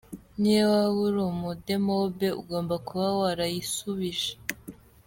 Niyo waba uri umudemobe ugomba kuba warayisubije.